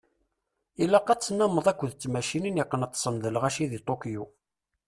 Ilaq ad tennameḍ akked d tmacinin iqqneṭsen d lɣaci di Tokyo.